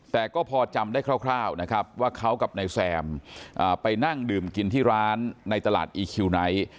แต่ก็พอจำได้คร่าวนะครับว่าเขากับนายแซมไปนั่งดื่มกินที่ร้านในตลาดอีคิวไนท์